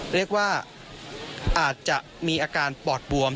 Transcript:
เรียกว่าอาจจะมีอาการปอดบวม